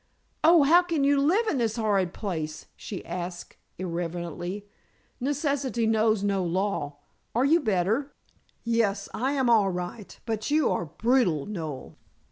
"Oh, how can you live in this horrid place?" she asked irrelevantly. "Necessity knows no law. Are you better?" "Yes; I am all right. But you are brutal, Noel."